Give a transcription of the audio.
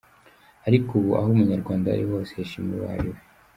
Ariko ubu aho umunyarwanda ari hose yishimira uwo ariwe.